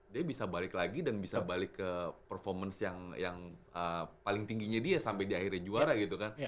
dia bisa balik lagi dan bisa balik ke performance yang paling tingginya dia sampai di akhirnya juara gitu kan